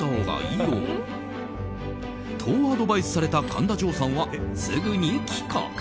と、アドバイスされた神田穣さんは、すぐに帰国。